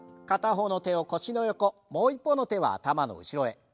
片方の手を腰の横もう一方の手は頭の後ろへ。